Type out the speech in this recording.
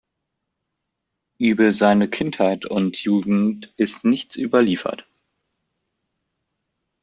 Über seine Kindheit und Jugend ist nichts überliefert.